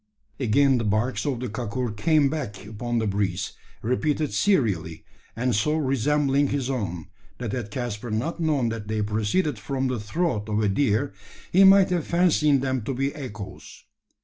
Again the barks of the kakur came back upon the breeze repeated serially, and so resembling his own, that had Caspar not known that they proceeded from the throat of a deer, he might have fancied them to be echoes.